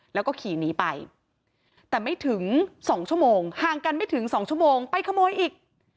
แล้วก็ขี่หนีไปแต่ไม่ถึง๒ชั่วโมงห่างกันไม่ถึง๒ชั่วโมงไปขโมยอีก